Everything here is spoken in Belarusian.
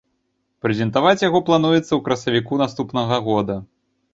Прэзентаваць яго плануецца ў красавіку наступнага года.